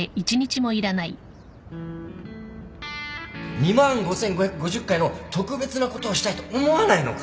２万 ５，５５０ 回の特別なことをしたいと思わないのか？